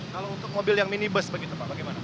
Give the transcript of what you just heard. kalau untuk mobil yang minibus begitu pak bagaimana pak